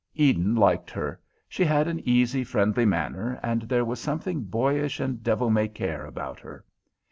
Eden liked her. She had an easy, friendly manner, and there was something boyish and devil may care about her.